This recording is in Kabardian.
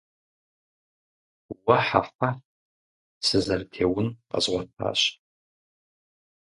Уэ-хьэ-хьэхь! Сызэрытеун къэзгъуэтащ.